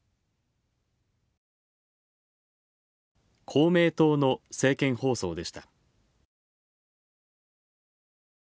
公明党の政見放送でした。